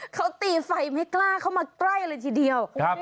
เค้าตีไฟไม่กล้าเค้ามาไกลอะไรทีเดียว